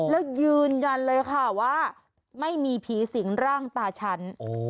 แล้วยืนยันเลยค่ะว่าไม่มีผีสิงร่างตาฉัน